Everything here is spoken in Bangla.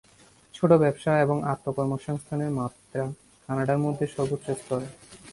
ছোট ব্যবসা এবং আত্ম-কর্মসংস্থানের মাত্রা কানাডার মধ্যে সর্বোচ্চ স্তরের।